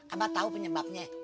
abah tau penyebabnya